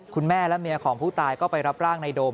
แม่และเมียของผู้ตายก็ไปรับร่างในโดม